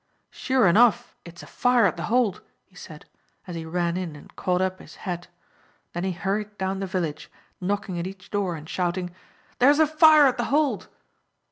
"Sure enough it's a fire at The Hold," he said, as he ran in and caught up his hat. Then he hurried down the village, knocking at each door and shouting, "There is a fire at The Hold!"